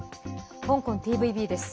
香港ＴＶＢです。